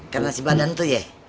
karena si badar itu ya